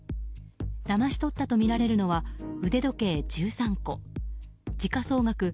だまし取ったとみられるのは腕時計１３個時価総額